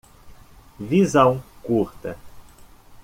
Visão curta